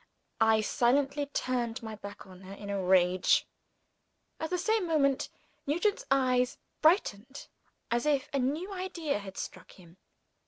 I silently turned my back on her, in a rage. At the same moment, Nugent's eyes brightened as if a new idea had struck him.